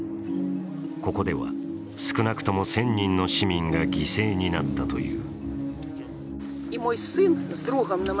ここでは少なくとも１０００人の市民が犠牲になったという。